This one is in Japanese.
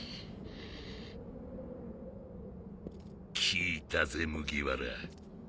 効いたぜ麦わら。